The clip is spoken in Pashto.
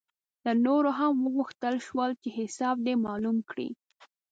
له نورو هم وغوښتل شول چې حساب دې معلوم کړي.